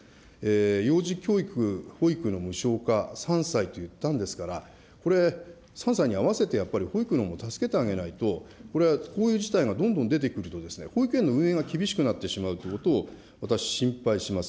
幼児教育、保育の無償化、３歳と言ったんですから、これ、３歳に合わせてやっぱり保育のほうを助けてあげないと、これは、こういう事態がどんどん出てくると、保育園の運営が厳しくなってしまうということを、私、心配します。